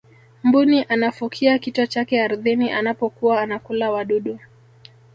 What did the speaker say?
mbuni anafukia kichwa chake ardhini anapokuwa anakula wadudu